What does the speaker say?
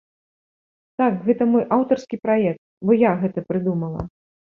Так гэта мой аўтарскі праект, бо я гэта прыдумала.